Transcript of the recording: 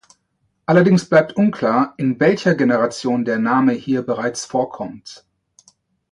Allerdings bleibt unklar, in welcher Generation der Name hier bereits vorkommt.